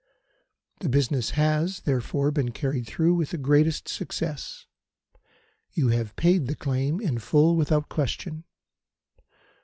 The business has, therefore been carried through with the greatest success. You have paid the claim in full without question.